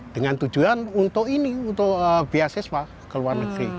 dengan tujuan untuk ini untuk beasiswa ke luar negeri